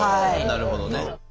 なるほどね。